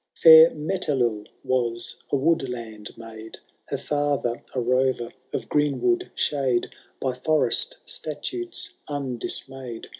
IIL Fair Metelill was a woodland maid. Her father a rover of greenwood shade, By forest statutes undismayed.